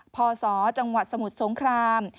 พศจังหวัดสมุทรสงคราม